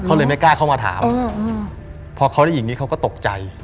เขาเลยไม่กล้าเข้ามาถามพอเขาได้ยินนี้เขาก็ตกใจ